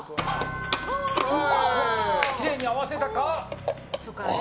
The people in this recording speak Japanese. きれいに合わせたか？